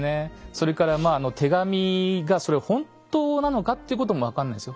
それからまあ手紙がそれ本当なのかっていうことも分かんないんですよ。